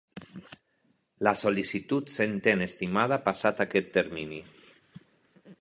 La sol·licitud s'entén estimada passat aquest termini.